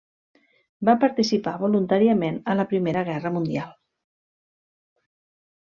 Va participar voluntàriament a la Primera Guerra Mundial.